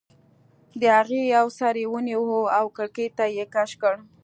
د هغې یو سر یې ونیو او کړکۍ ته یې کش کړ